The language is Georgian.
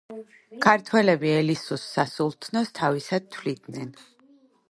ქართველები ელისუს სასულთნოს თავისად თვლიდნენ.